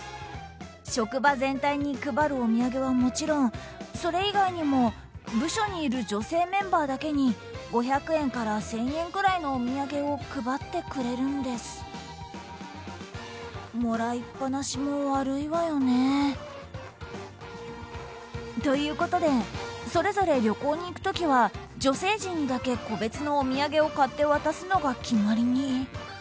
職場全体に配るお土産はもちろんそれ以外にも部署にいる女性メンバーだけに５００円から１０００円くらいのお土産を配ってくれるんです。ということでそれぞれ旅行に行く時は女性陣にだけ個別のお土産を買って渡すのが決まりに。